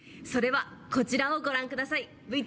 それはこちらをご覧下さい。